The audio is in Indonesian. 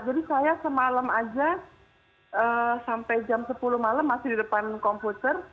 jadi saya semalam aja sampai jam sepuluh malam masih di depan komputer